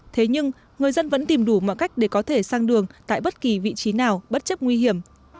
thế nhưng người dân vẫn tìm đủ mọi cách để có thể sang đường tại bất kỳ vị trí nào bất chấp nguy hiểm